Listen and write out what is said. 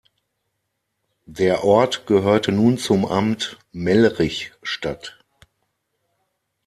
Der Ort gehörte nun zum Amt Mellrichstadt.